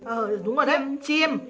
ờ đúng rồi đấy chiêm